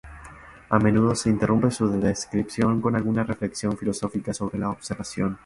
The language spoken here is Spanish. A menudo interrumpe su descripción con alguna reflexión filosófica sobre la observación.